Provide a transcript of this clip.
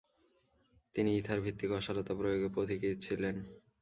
তিনি ইথার ভিত্তিক অসাড়তা প্রয়োগে পথিকৃৎ ছিলেন।